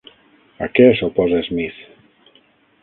A què s'oposa Smith?